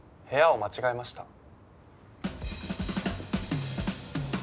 部屋を間違えました。